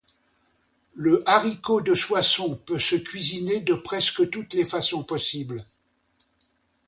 Le haricot de Soissons peut se cuisiner de presque toutes les façons possibles.